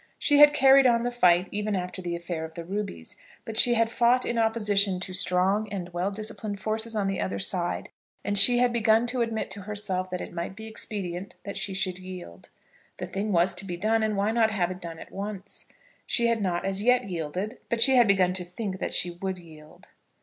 She had carried on the fight even after the affair of the rubies, but she had fought in opposition to strong and well disciplined forces on the other side, and she had begun to admit to herself that it might be expedient that she should yield. The thing was to be done, and why not have it done at once? She had not as yet yielded, but she had begun to think that she would yield.